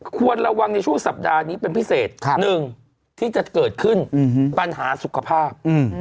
ควรระวังในช่วงสัปดาห์นี้เป็นพิเศษ๑ที่จะเกิดขึ้นปัญหาสุขภาพ